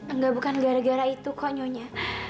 enggak bukan gara gara itu kok nyonya